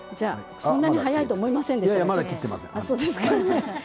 そんなに早いと思いませんでした。